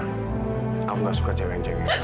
kamu nggak suka cengeng cengeng